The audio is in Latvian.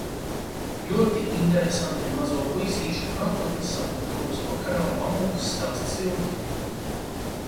Loti interesanti ir mazo puisīšu nākotnes sapņi, kurus vakarā mammuks stāsta Silvijai.